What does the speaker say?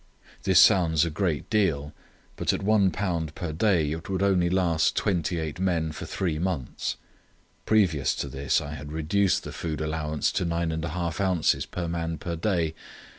This sounds a great deal, but at one pound per day it would only last twenty eight men for three months. Previous to this I had reduced the food allowance to nine and a half ounces per man per day.